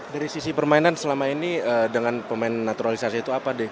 dari sisi permainan selama ini dengan pemain naturalisasi itu apa deh